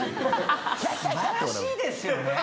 素晴らしいですよね。